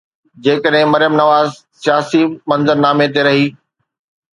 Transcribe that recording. جيڪڏهن مريم نواز سياسي منظرنامي تي رهي.